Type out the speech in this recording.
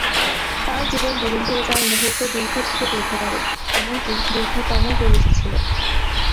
তার জীবন বিলীন হয়ে যাওয়ার মুহূর্ত দীর্ঘ থেকে দীর্ঘতর, এমনকি দীর্ঘতম হয়ে এসেছিল।